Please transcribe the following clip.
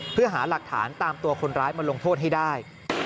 เพื่อหาหลักฐานตามตัวคนร้ายมาลงโทษให้ได้